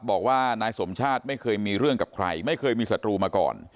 บอกว่านายสมชาติไม่เคยมีเรื่องกับใครไม่เคยมีศัตรูมาก่อน